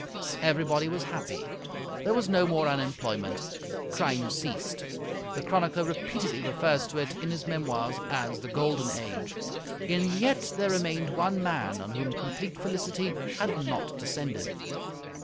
Everybody was happy. There was no more unemployment. Crime ceased. The chronicler repeatedly refers to it in his memoirs as the Golden Age. And yet there remained one man on whom complete felicity had not descended.